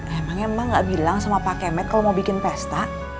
emangnya emang gak bilang sama pak kemet kalau mau bikin pesta